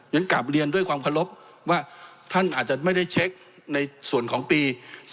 งั้นกลับเรียนด้วยความเคารพว่าท่านอาจจะไม่ได้เช็คในส่วนของปี๒๕๖